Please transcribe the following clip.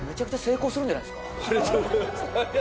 ありがとうございます。